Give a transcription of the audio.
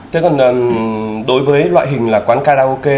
thế còn đối với loại hình là quán karaoke